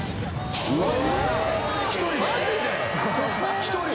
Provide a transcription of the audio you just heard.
１人？